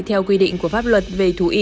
theo quy định của pháp luật về thú y